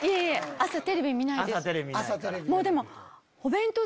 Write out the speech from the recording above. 朝テレビ見ないから。